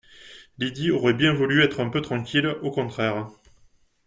Lydie aurait bien voulu être un peu tranquille, au contraire